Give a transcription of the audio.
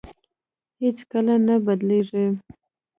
هېڅ کله نه بدلېږي.